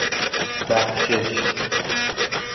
بخشش